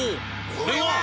これは！